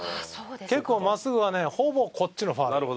結構真っすぐはねほぼこっちのファウル。